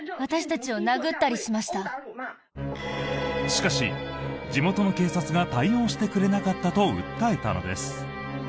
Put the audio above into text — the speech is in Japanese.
しかし、地元の警察が対応してくれなかったと訴えたのです。